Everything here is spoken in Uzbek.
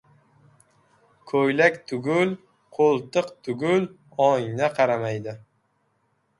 Ko‘ylak tugul, qo‘ltiq tugul — oyna qaramaydi.